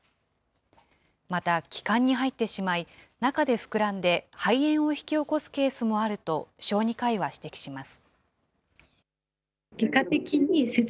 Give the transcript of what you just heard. また、気管に入ってしまい、中で膨らんで肺炎を引き起こすケースもあると、小児科医は指摘します。